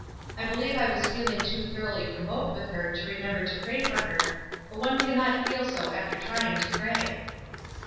"I believe I was feeling too thoroughly provoked with her to remember to pray for her, but one cannot feel so after try ing to pray."